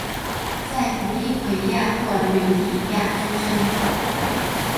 在佛律癸亚或吕底亚出生。